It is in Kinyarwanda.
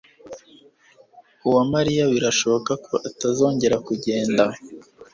Uwamariya birashoboka ko atazongera kugenda.